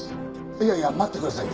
いやいや待ってください。